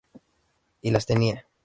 Y las tenía.